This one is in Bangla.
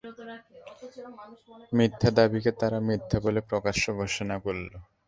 মিথ্যা দাবিকে তারা মিথ্যা বলে প্রকাশ্যে ঘোষণা করল।